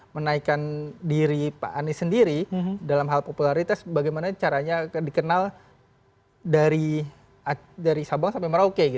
menaikkan diri pak anies sendiri dalam hal popularitas bagaimana caranya dikenal dari sabang sampai merauke